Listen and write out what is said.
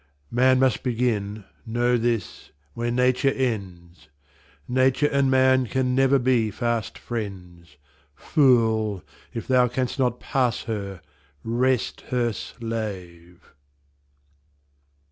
Man must begin, know this, where Nature ends; Nature and man can never be fast friends. Fool, if thou canst not pass her, rest her slave!